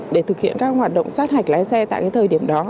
để thực hiện các hoạt động sát hạch lái xe tại cái thời điểm đó